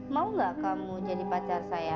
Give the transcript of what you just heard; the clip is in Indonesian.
mau gak kamu jadi pacar saya